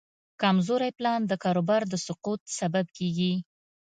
کمزوری پلان د کاروبار د سقوط سبب کېږي.